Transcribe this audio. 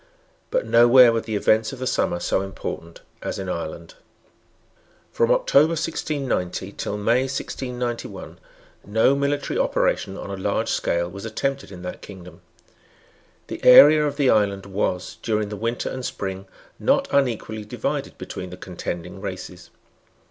But nowhere were the events of the summer so important as in Ireland. From October 1690 till May 1691, no military operation on a large scale was attempted in that kingdom. The area of the island was, during the winter and spring, not unequally divided between the contending races.